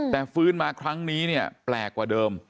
แต่ฟื้นมาครั้งนี้เนี่ยแปลกกว่าเดิม